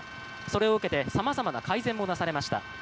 それを受けてさまざまな改善もなされました。